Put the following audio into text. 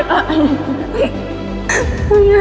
พ่อหน้า